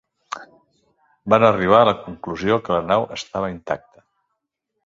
Van arribar a la conclusió que la nau estava intacta.